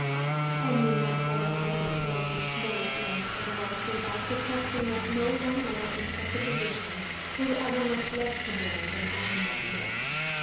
I need not tell that part of the story more at length, otherwise than by protesting that no young man in such a position was ever much less to blame than I had been in this.